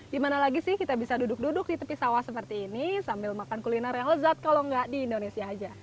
dimana lagi sih kita bisa duduk duduk di tepi sawah seperti ini sambil makan kuliner yang lezat kalau nggak di indonesia aja